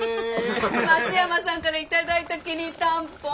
松山さんから頂いたきりたんぽ。